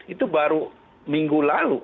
itu baru minggu lalu